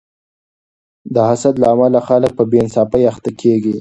د حسد له امله خلک په بې انصافۍ اخته کیږي.